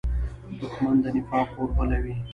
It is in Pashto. دښمن د نفاق اور بلوي